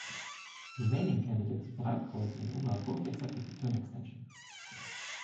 Remaining candidates Breitkreuz and Unger both accepted the term extension.